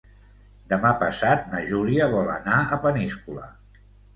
Demà passat na Júlia vol anar a Peníscola.